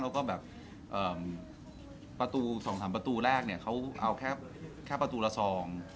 แล้วก็สนองถามประตูแรกเค้าเอาแค่ประตูละซอง